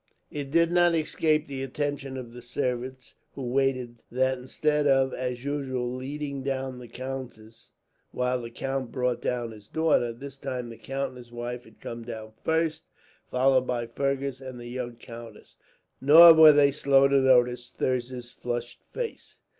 It did not escape the attention of the servants who waited that instead of, as usual, leading down the countess while the count brought down his daughter; this time the count and his wife had come down first, followed by Fergus and the young countess. Nor were they slow to notice Thirza's flushed face.